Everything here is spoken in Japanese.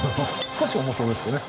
少し重そうですね